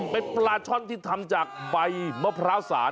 เป็นปลาช่อนที่ทำจากใบมะพร้าวสาร